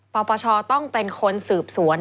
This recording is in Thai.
ปปชต้องเป็นคนสืบสวน